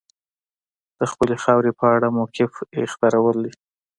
د خپلې خاورې په اړه موقف اختیارول دي.